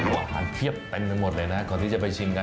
อาหารเพียบเต็มไปหมดเลยนะก่อนที่จะไปชิมกัน